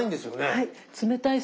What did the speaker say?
はい。